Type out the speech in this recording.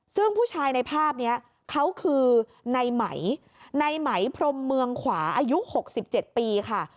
ซึ่งผู้ชายในภาพนี้เขาคือในไหมในไหมพรมเมืองขวาอายุ๖๗ปีค่ะ